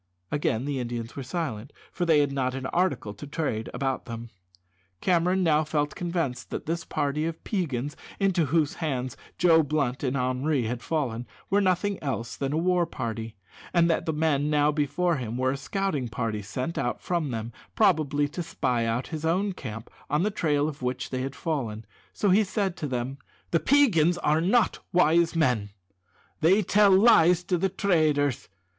_" Again the Indians were silent, for they had not an article to trade about them. Cameron now felt convinced that this party of Peigans, into whose hands Joe Blunt and Henri had fallen, were nothing else than a war party, and that the men now before him were a scouting party sent out from them, probably to spy out his own camp, on the trail of which they had fallen, so he said to them: "The Peigans are not wise men; they tell lies to the traders.